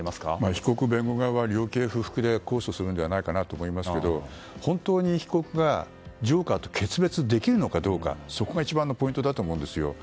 被告、弁護側は量刑不服で控訴すると思いますけど本当に被告が、ジョーカーと決別できるのかどうかがそこが一番のポイントだと思うんですよ。